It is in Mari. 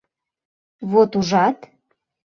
Вот ужат!